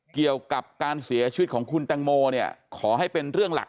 เกี่ยวกับการเสียชีวิตของคุณแตงโมเนี่ยขอให้เป็นเรื่องหลัก